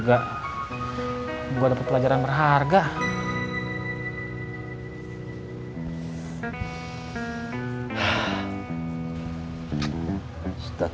dalem banget aku ngejar ngejar orang itu